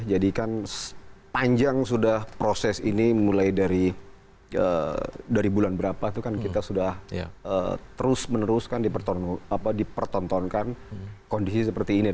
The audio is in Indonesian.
jadi kan panjang sudah proses ini mulai dari bulan berapa itu kan kita sudah terus meneruskan dipertontonkan kondisi seperti ini